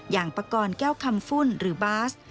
อย่างประกอบแก้วคำฟุ่นหรือบาส